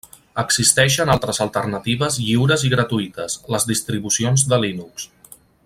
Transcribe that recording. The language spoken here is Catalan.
Existeixen altres alternatives lliures i gratuïtes, les distribucions de Linux.